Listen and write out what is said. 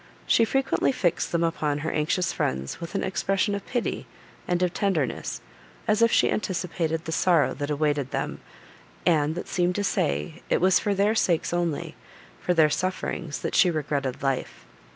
She frequently fixed them upon her anxious friends with an expression of pity, and of tenderness, as if she anticipated the sorrow that awaited them, and that seemed to say, it was for their sakes only, for their sufferings, that she regretted life.